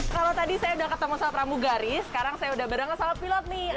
kalau tadi saya sudah ketemu salah pramugari sekarang saya sudah berangkat salah pilot nih